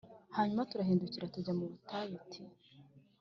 Hanyuma turahindukira tujya mu butayu t